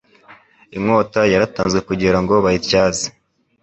inkota yaratanzwe kugira ngo bayityaze